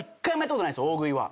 大食いは。